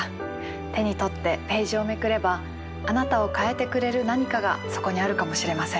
手に取ってページをめくればあなたを変えてくれる何かがそこにあるかもしれません。